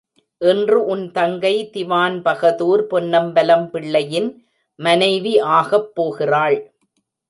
இன்று உன் தங்கை திவான்பகதூர் பொன்னம்பலம் பிள்ளையின் மனைவி ஆகப்போகிறாள்.